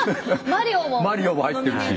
「マリオ」も入ってるし。